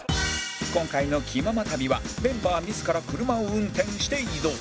今回の気まま旅はメンバー自ら車を運転して移動